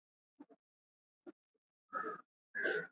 Namna ya kukabiliana na ugonjwa wa majimoyo ni kudhibiti kupe